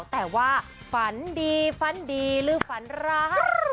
แต่ว่าฝันดีฝันดีหรือฝันร้าย